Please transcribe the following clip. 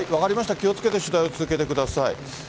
気をつけて取材を続けてください。